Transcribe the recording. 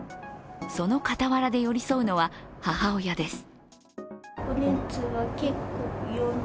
その傍らで寄り添うのは母親です。